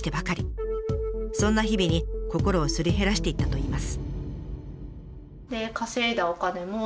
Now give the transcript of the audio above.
そんな日々に心をすり減らしていったといいます。